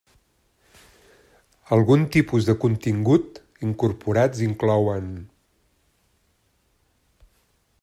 Alguns tipus de contingut incorporats inclouen: